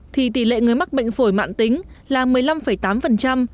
thì tỷ lệ người mắc bệnh phổi mạng tính là một mươi năm tám